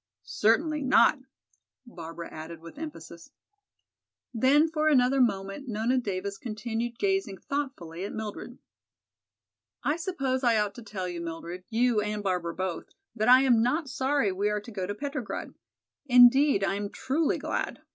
"Certainly not," Barbara added with emphasis. Then for another moment Nona Davis continued gazing thoughtfully at Mildred. "I suppose I ought to tell you, Mildred, you and Barbara both, that I am not sorry we are to go to Petrograd; indeed, I am truly glad.